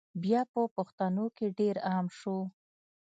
بیا په پښتنو کي ډېر عام سو